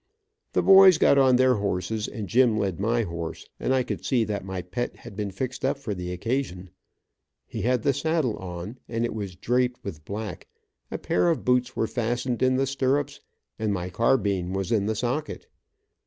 The boys got on their horses and Jim led my horse, and I could see that my pet had been fixed up for the occasion. He had the saddle on, and it was draped with black, a pair of boots were fastened in the stirrups, and my carbine was in the socket.